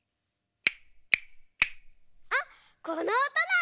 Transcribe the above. あっこのおとだ！